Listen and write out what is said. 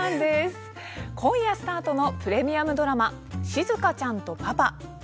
今夜スタートのプレミアムドラマ「しずかちゃんとパパ」。